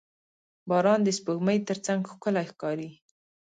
• باران د سپوږمۍ تر څنګ ښکلی ښکاري.